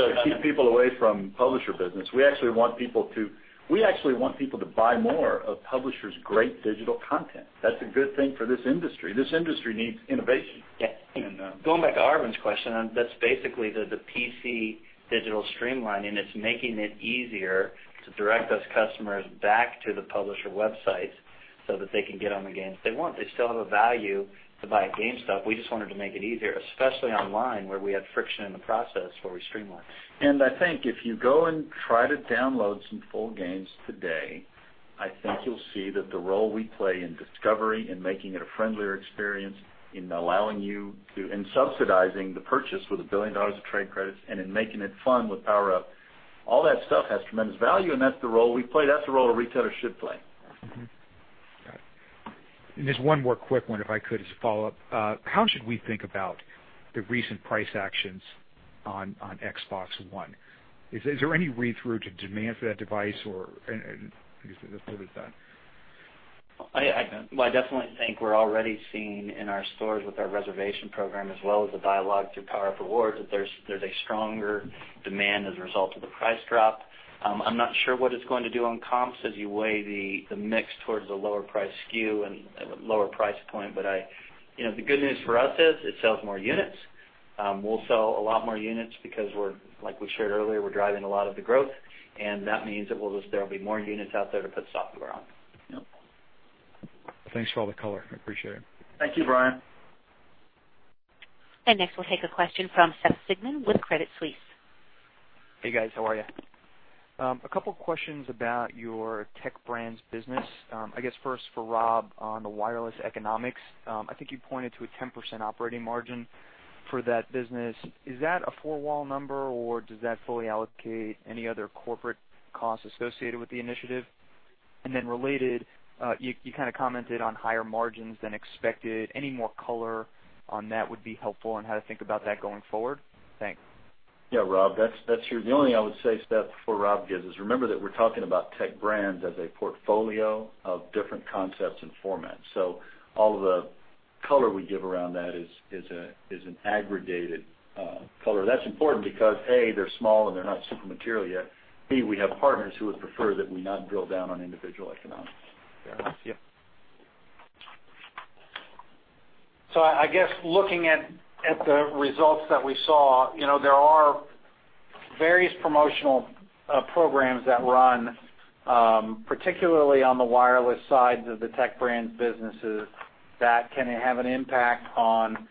to keep people away from publisher business. We actually want people to buy more of publishers' great digital content. That's a good thing for this industry. This industry needs innovation. Yes. And- Going back to Arvind's question, that's basically the PC digital streamlining. It's making it easier to direct those customers back to the publisher websites so that they can get on the games they want. They still have a value to buy at GameStop. We just wanted to make it easier, especially online, where we had friction in the process, where we streamlined. I think if you go and try to download some full games today I think you'll see that the role we play in discovery, in making it a friendlier experience, in allowing you to, and subsidizing the purchase with $1 billion of trade credits, and in making it fun with PowerUp, all that stuff has tremendous value, and that's the role we play. That's the role a retailer should play. Got it. Just one more quick one, if I could, as a follow-up. How should we think about the recent price actions on Xbox One? Is there any read-through to demand for that device or with that? I deffinitely think we're already seeing in our stores with our reservation program, as well as the dialogue through PowerUp Rewards, that there's a stronger demand as a result of the price drop. I'm not sure what it's going to do on comps as you weigh the mix towards the lower price SKU and lower price point. The good news for us is it sells more units. We'll sell a lot more units because like we shared earlier, we're driving a lot of the growth, and that means that there'll be more units out there to put software on. Yep. Thanks for all the color. I appreciate it. Thank you, Brian. Next, we'll take a question from Seth Sigman with Credit Suisse. Hey, guys. How are you? A couple of questions about your Tech Brands business. I guess first for Rob on the wireless economics. I think you pointed to a 10% operating margin for that business. Is that a four-wall number, or does that fully allocate any other corporate costs associated with the initiative? Related, you commented on higher margins than expected. Any more color on that would be helpful on how to think about that going forward? Thanks. Rob. The only I would say, Seth, before Rob gives is remember that we're talking about Technology Brands as a portfolio of different concepts and formats. All of the color we give around that is an aggregated color. That's important because, A, they're small and they're not super material yet. B, we have partners who would prefer that we not drill down on individual economics. Fair enough. Yep. I guess looking at the results that we saw, there are various promotional programs that run, particularly on the wireless sides of the Technology Brands businesses that can have an impact on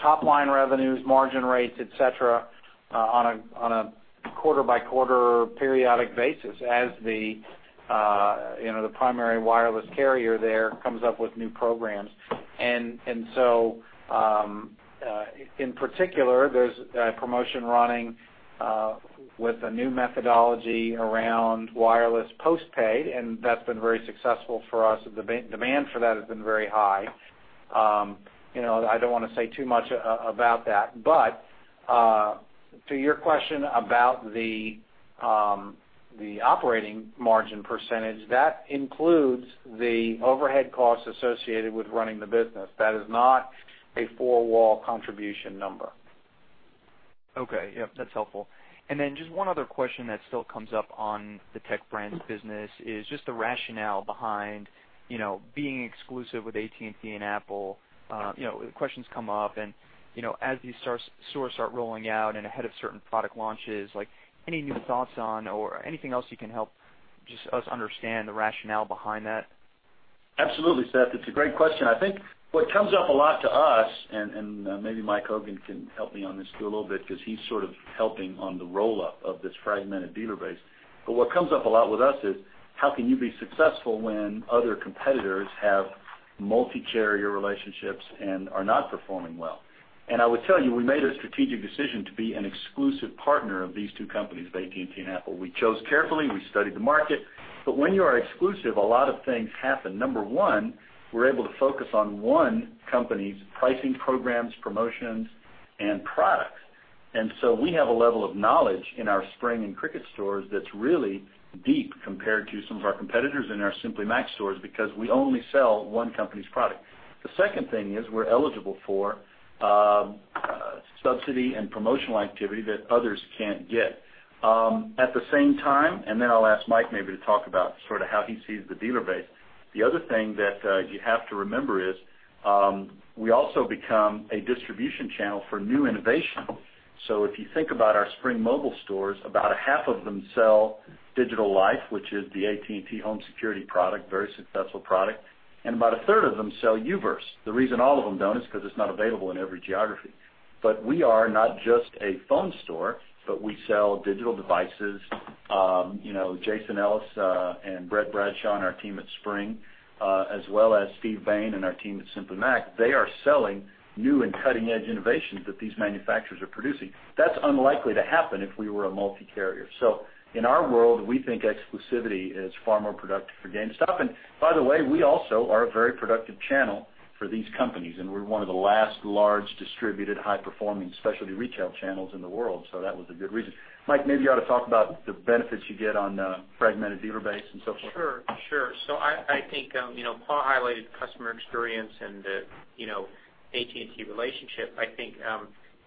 top-line revenues, margin rates, et cetera, on a quarter-by-quarter periodic basis as the primary wireless carrier there comes up with new programs. In particular, there's a promotion running with a new methodology around wireless postpaid, and that's been very successful for us. The demand for that has been very high. I don't want to say too much about that. To your question about the operating margin percentage, that includes the overhead costs associated with running the business. That is not a four-wall contribution number. Okay. Yep, that's helpful. Just one other question that still comes up on the Technology Brands business is just the rationale behind being exclusive with AT&T and Apple. Questions come up and as these stores start rolling out and ahead of certain product launches, any new thoughts on or anything else you can help just us understand the rationale behind that? Absolutely, Seth. It's a great question. I think what comes up a lot to us, maybe Mike Hogan can help me on this too a little bit because he's sort of helping on the roll-up of this fragmented dealer base. What comes up a lot with us is how can you be successful when other competitors have multi-carrier relationships and are not performing well. I would tell you, we made a strategic decision to be an exclusive partner of these two companies, AT&T and Apple. We chose carefully. We studied the market. When you are exclusive, a lot of things happen. Number one, we're able to focus on one company's pricing programs, promotions, and products. We have a level of knowledge in our Spring and Cricket stores that's really deep compared to some of our competitors in our Simply Mac stores because we only sell one company's product. The second thing is we're eligible for subsidy and promotional activity that others can't get. At the same time, I'll ask Mike maybe to talk about how he sees the dealer base. The other thing that you have to remember is, we also become a distribution channel for new innovation. If you think about our Spring Mobile stores, about a half of them sell Digital Life, which is the AT&T home security product, very successful product. About a third of them sell U-verse. The reason all of them don't is because it's not available in every geography. We are not just a phone store, but we sell digital devices. Jason Ellis and Brett Bradshaw on our team at Spring, as well as Steve Bain and our team at Simply Mac, they are selling new and cutting-edge innovations that these manufacturers are producing. That's unlikely to happen if we were a multi-carrier. In our world, we think exclusivity is far more productive for GameStop. By the way, we also are a very productive channel for these companies, and we're one of the last large distributed high-performing specialty retail channels in the world. That was a good reason. Mike, maybe you ought to talk about the benefits you get on the fragmented dealer base and so forth. Sure. I think Paul highlighted customer experience and the AT&T relationship. I think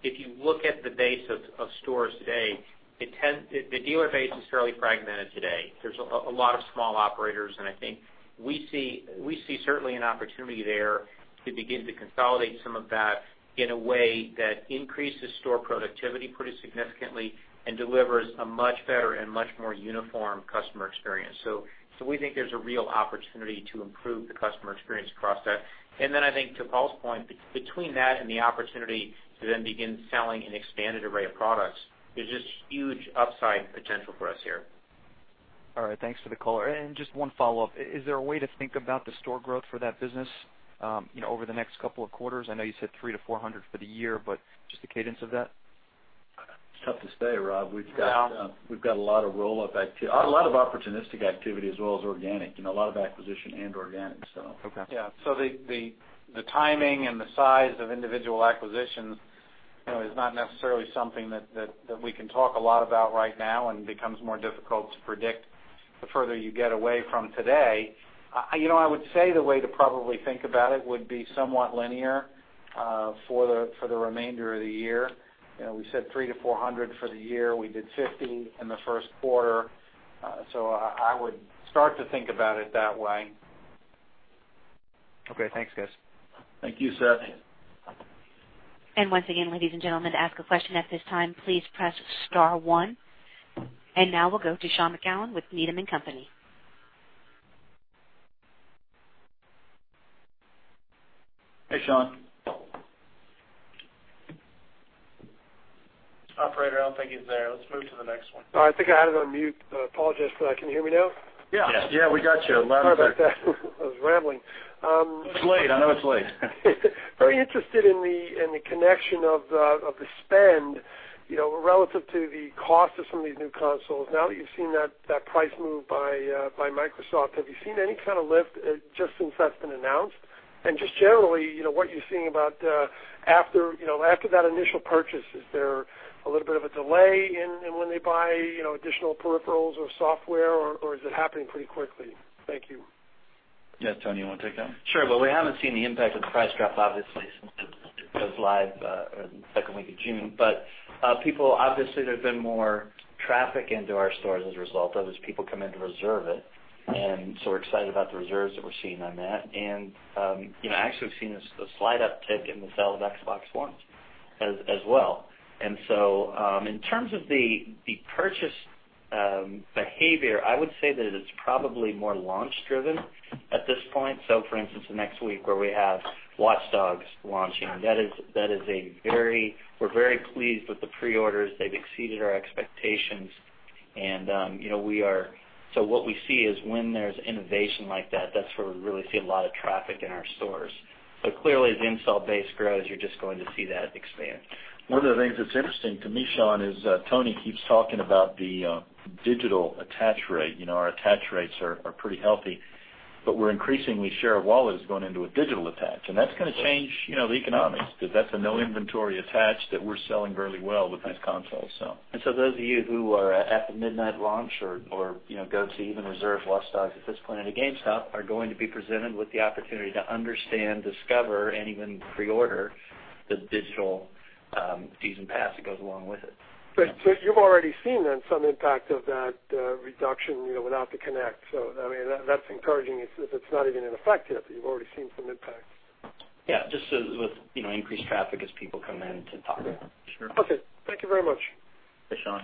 if you look at the base of stores today, the dealer base is fairly fragmented today. There's a lot of small operators, I think we see certainly an opportunity there to begin to consolidate some of that in a way that increases store productivity pretty significantly and delivers a much better and much more uniform customer experience. We think there's a real opportunity to improve the customer experience across that. I think to Paul's point, between that and the opportunity to then begin selling an expanded array of products, there's just huge upside potential for us here. All right. Thanks for the color. Just one follow-up. Is there a way to think about the store growth for that business over the next couple of quarters? I know you said 300 to 400 for the year, but just the cadence of that. It's tough to say, Rob. Yeah. We've got a lot of opportunistic activity as well as organic. A lot of acquisition and organic. Okay. Yeah. The timing and the size of individual acquisitions is not necessarily something that we can talk a lot about right now and becomes more difficult to predict the further you get away from today. I would say the way to probably think about it would be somewhat linear for the remainder of the year. We said 300 to 400 for the year. We did 50 in the first quarter. I would start to think about it that way. Okay. Thanks, guys. Thank you, Seth. Once again, ladies and gentlemen, to ask a question at this time, please press star one. Now we'll go to Sean McGowan with Needham & Company. Hey, Sean. Operator, I don't think he's there. Let's move to the next one. Oh, I think I had it on mute. Apologize for that. Can you hear me now? Yeah. Yes. Yeah, we got you loud and clear. Sorry about that. I was rambling. It's late. I know it's late. Very interested in the connection of the spend relative to the cost of some of these new consoles. Now that you've seen that price move by Microsoft, have you seen any kind of lift just since that's been announced? Just generally, what you're seeing about after that initial purchase, is there a little bit of a delay in when they buy additional peripherals or software, or is it happening pretty quickly? Thank you. Yes. Tony, you want to take that one? Sure. We haven't seen the impact of the price drop, obviously, since it goes live in the second week of June. Obviously, there's been more traffic into our stores as a result of it as people come in to reserve it, we're excited about the reserves that we're seeing on that. Actually, we've seen a slight uptick in the sale of Xbox Ones as well. In terms of the purchase behavior, I would say that it is probably more launch-driven at this point. For instance, the next week where we have Watch Dogs launching, we're very pleased with the pre-orders. They've exceeded our expectations. What we see is when there's innovation like that's where we really see a lot of traffic in our stores. Clearly, as the install base grows, you're just going to see that expand. One of the things that's interesting to me, Sean, is Tony keeps talking about the digital attach rate. Our attach rates are pretty healthy, but we're increasingly share of wallet is going into a digital attach, that's going to change the economics because that's a no-inventory attach that we're selling fairly well with these consoles. Those of you who are at the midnight launch or go to even reserve Watch Dogs at this point at a GameStop are going to be presented with the opportunity to understand, discover, and even pre-order the digital season pass that goes along with it. You've already seen then some impact of that reduction without the Kinect. That's encouraging if it's not even in effect yet, you've already seen some impact. Yeah. Just with increased traffic as people come in to talk. Sure. Okay. Thank you very much. Thanks, Sean.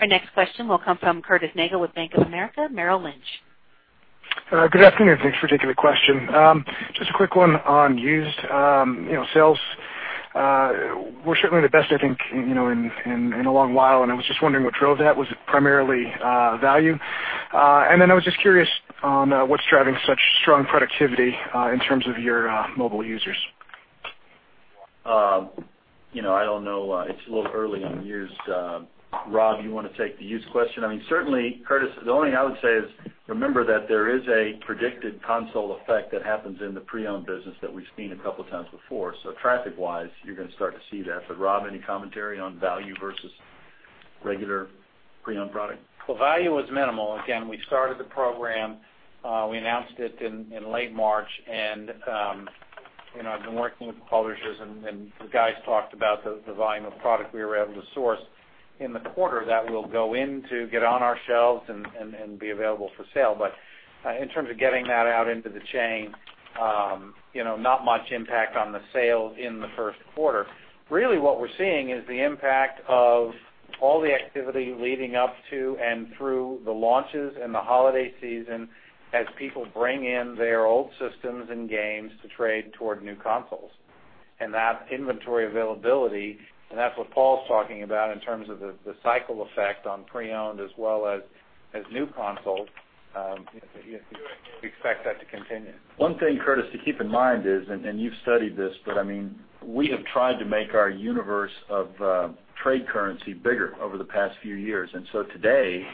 Our next question will come from Curtis Nagle with Bank of America Merrill Lynch. Good afternoon. Thanks for taking the question. Just a quick one on used sales. We're certainly the best, I think, in a long while, and I was just wondering what drove that. Was it primarily value? Then I was just curious on what's driving such strong productivity in terms of your mobile users. I don't know. It's a little early on used. Rob, you want to take the used question? Certainly, Curtis, the only thing I would say is remember that there is a predicted console effect that happens in the pre-owned business that we've seen a couple of times before. Traffic-wise, you're going to start to see that. Rob, any commentary on value versus regular pre-owned product? Well, value was minimal. Again, we started the program, we announced it in late March, and I've been working with the publishers, and the guys talked about the volume of product we were able to source in the quarter that will go in to get on our shelves and be available for sale. In terms of getting that out into the chain, not much impact on the sales in the first quarter. Really what we're seeing is the impact of all the activity leading up to and through the launches and the holiday season as people bring in their old systems and games to trade toward new consoles. That inventory availability, and that's what Paul's talking about in terms of the cycle effect on pre-owned as well as new consoles. We expect that to continue. One thing, Curtis, to keep in mind is, and you've studied this, but we have tried to make our universe of trade currency bigger over the past few years. Today,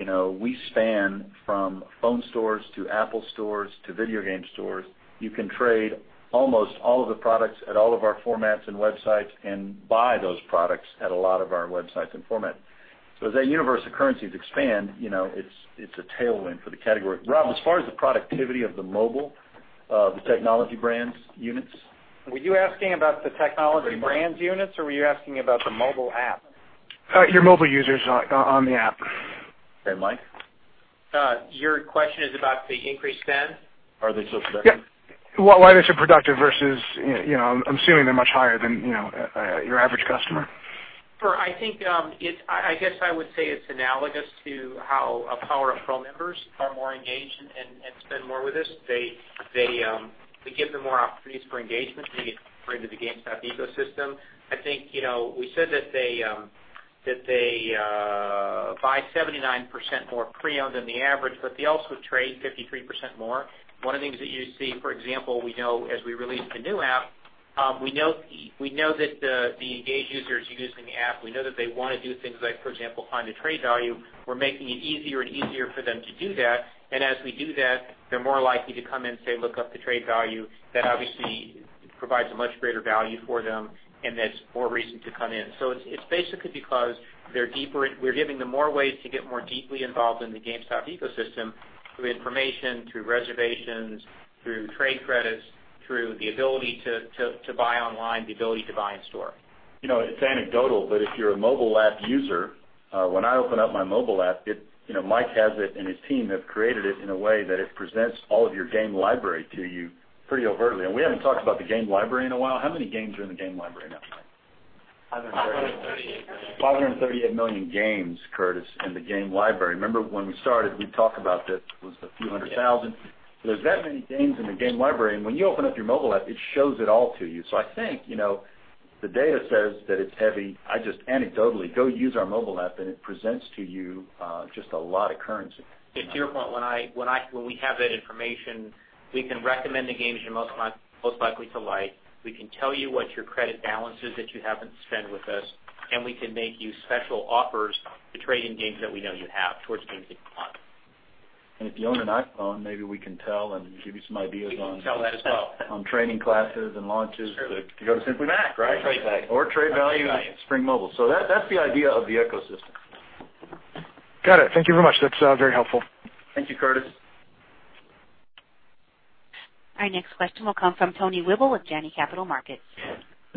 we span from phone stores to Apple stores to video game stores. You can trade almost all of the products at all of our formats and websites and buy those products at a lot of our websites and formats. As that universe of currencies expand, it's a tailwind for the category. Rob, as far as the productivity of the mobile, the Technology Brands units. Were you asking about the Technology Brands units, or were you asking about the mobile app? Your mobile users on the app. Okay, Mike? Your question is about the increased spend? Are they still spending? Yeah. Why they're so productive versus, I'm assuming they're much higher than your average customer. I guess I would say it's analogous to how our PowerUp Pro members are more engaged and spend more with us. They give them more opportunities for engagement when you get into the GameStop ecosystem. I think we said that they They buy 79% more pre-owned than the average, they also trade 53% more. One of the things that you see, for example, we know as we release the new app, we know that the engaged users using the app, we know that they want to do things like, for example, find a trade value. We're making it easier and easier for them to do that. As we do that, they're more likely to come in, say, look up the trade value. That obviously provides a much greater value for them, and that's more reason to come in. It's basically because we're giving them more ways to get more deeply involved in the GameStop ecosystem through information, through reservations, through trade credits, through the ability to buy online, the ability to buy in-store. It's anecdotal, if you're a mobile app user, when I open up my mobile app, Mike has it, and his team have created it in a way that it presents all of your game library to you pretty overtly. We haven't talked about the game library in a while. How many games are in the game library now, Mike? 538 million. 538 million games, Curtis, in the game library. Remember when we started, we talked about that it was a few hundred thousand. There's that many games in the game library, and when you open up your mobile app, it shows it all to you. I think, the data says that it's heavy. I just anecdotally go use our mobile app, and it presents to you, just a lot of currency. To your point, when we have that information, we can recommend the games you're most likely to like. We can tell you what your credit balance is that you haven't spent with us, and we can make you special offers to trade in games that we know you have towards games that you want. If you own an iPhone, maybe we can tell and give you some ideas on. We can tell that as well on training classes and launches. Sure. To go to Simply Mac, right? trade value. Trade value at Spring Mobile. That's the idea of the ecosystem. Got it. Thank you very much. That's very helpful. Thank you, Curtis. Our next question will come from Tony Wible with Janney Capital Markets.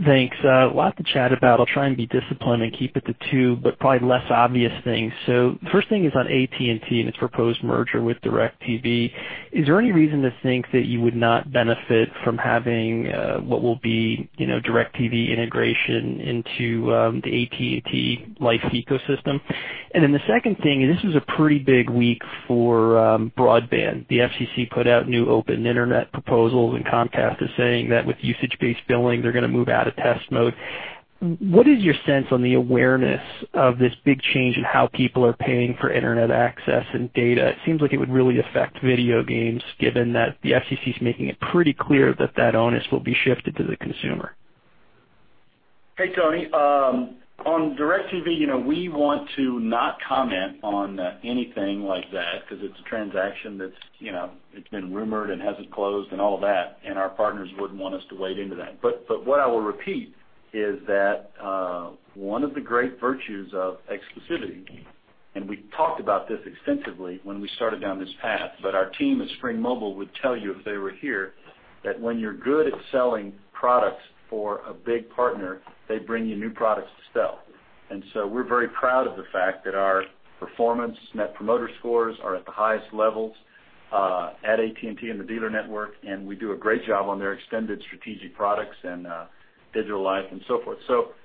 Thanks. A lot to chat about. I'll try and be disciplined and keep it to two, but probably less obvious things. The first thing is on AT&T and its proposed merger with DirecTV. Is there any reason to think that you would not benefit from having what will be, DirecTV integration into the AT&T Life ecosystem? The second thing, and this is a pretty big week for broadband. The FCC put out new open internet proposals, Comcast is saying that with usage-based billing, they're going to move out of test mode. What is your sense on the awareness of this big change in how people are paying for internet access and data? It seems like it would really affect video games, given that the FCC is making it pretty clear that that onus will be shifted to the consumer. Hey, Tony. On DirecTV, we want to not comment on anything like that because it's a transaction that it's been rumored and hasn't closed and all of that, our partners wouldn't want us to wade into that. What I will repeat is that, one of the great virtues of exclusivity, we talked about this extensively when we started down this path, but our team at Spring Mobile would tell you if they were here, that when you're good at selling products for a big partner, they bring you new products to sell. We're very proud of the fact that our performance net promoter scores are at the highest levels, at AT&T and the dealer network, we do a great job on their extended strategic products and Digital Life and so forth.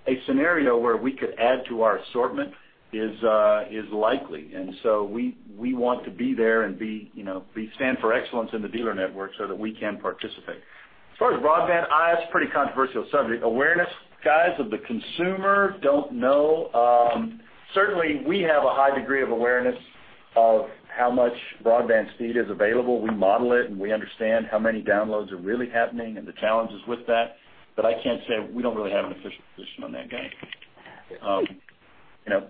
A scenario where we could add to our assortment is likely. We want to be there and stand for excellence in the dealer network so that we can participate. As far as broadband, that's a pretty controversial subject. Awareness, guys, of the consumer, don't know. Certainly, we have a high degree of awareness of how much broadband speed is available. We model it, we understand how many downloads are really happening and the challenges with that. I can't say, we don't really have an official position on that, guys.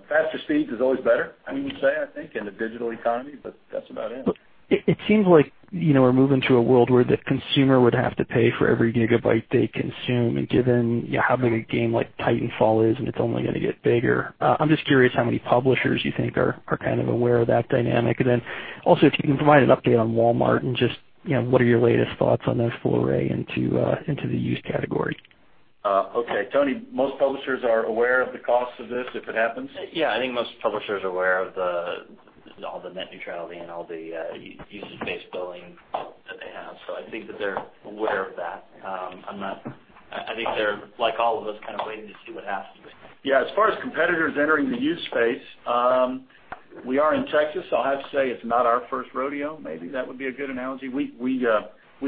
Faster speeds is always better, I would say, I think, in the digital economy, but that's about it. It seems like, we're moving to a world where the consumer would have to pay for every gigabyte they consume, given how big a game like "Titanfall" is, it's only going to get bigger. I'm just curious how many publishers you think are kind of aware of that dynamic. Also, if you can provide an update on Walmart and just what are your latest thoughts on their foray into the used category? Okay, Tony, most publishers are aware of the cost of this if it happens. Yeah, I think most publishers are aware of all the net neutrality and all the usage-based billing that they have. I think that they're aware of that. I think they're, like all of us, kind of waiting to see what happens with it. Yeah, as far as competitors entering the used space, we are in Texas, I have to say it's not our first rodeo. Maybe that would be a good analogy. We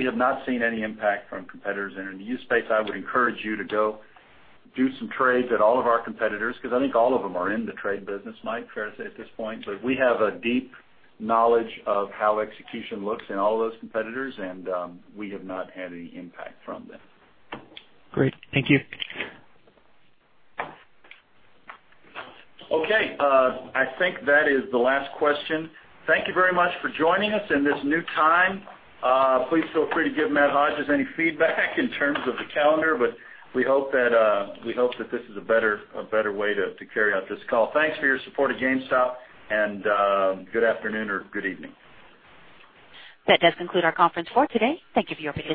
have not seen any impact from competitors entering the used space. I would encourage you to go do some trades at all of our competitors because I think all of them are in the trade business, Mike, fair to say at this point. We have a deep knowledge of how execution looks in all of those competitors, and we have not had any impact from them. Great. Thank you. Okay. I think that is the last question. Thank you very much for joining us in this new time. Please feel free to give Matt Hodges any feedback in terms of the calendar, but we hope that this is a better way to carry out this call. Thanks for your support of GameStop, and good afternoon or good evening. That does conclude our conference call today. Thank you for your participation.